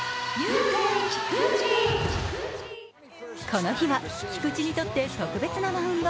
この日は菊池にとって特別なマウンド。